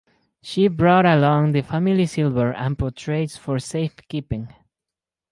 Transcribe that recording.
She brought along the family silver and portraits for safekeeping.